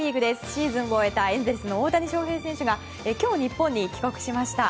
シーズンを終えたエンゼルスの大谷翔平選手が今日、日本に帰国しました。